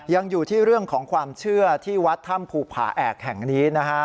ยังอยู่ที่เรื่องของความเชื่อที่วัดถ้ำภูผาแอกแห่งนี้นะฮะ